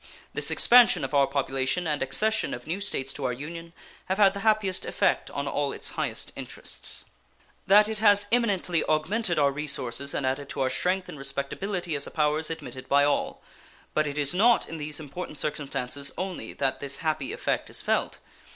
This expansion of our population and accession of new States to our Union have had the happiest effect on all its highest interests. That it has eminently augmented our resources and added to our strength and respectability as a power is admitted by all, but it is not in these important circumstances only that this happy effect is felt.